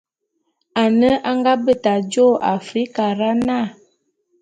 Ane a nga beta jô Afrikara na.